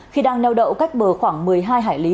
khi đang neo đậu cách bờ khoảng một mươi hai hải lý